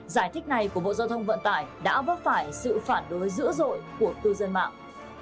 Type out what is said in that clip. giải thích này của bộ giao thông vận tải đã vấp phải sự phản đối dữ dội của cư dân mạng